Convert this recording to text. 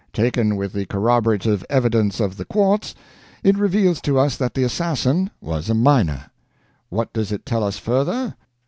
Taken with the corroborative evidence of the quartz, it reveals to us that the assassin was a miner. What does it tell us further?